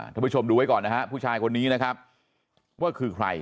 ท่านผู้ชมดูไว้ก่อนนะฮะผู้ชายคนนี้นะครับว่าคือใคร